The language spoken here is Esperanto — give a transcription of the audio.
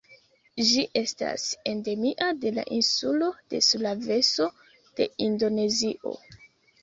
Ĝi estas endemia de la insulo de Sulaveso de Indonezio.